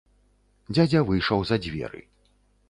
Дзядзя выйшаў за дзверы.